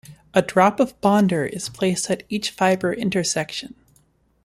A drop of bonder is placed at each fiber intersection.